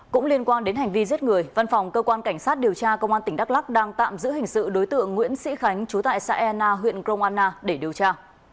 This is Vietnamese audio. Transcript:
cũng liên quan đến hành vi giết người văn phòng cơ quan cảnh sát điều tra công an tỉnh đắk lắc đang tạm giữ hình sự đối tượng nguyễn sĩ khánh chú tại xã ena huyện grong anna để điều tra